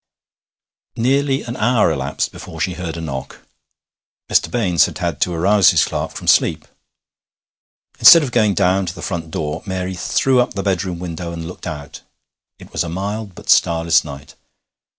Nearly an hour elapsed before she heard a knock. Mr. Baines had had to arouse his clerk from sleep. Instead of going down to the front door, Mary threw up the bedroom window and looked out. It was a mild but starless night.